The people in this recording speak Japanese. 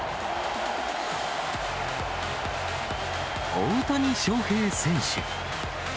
大谷翔平選手。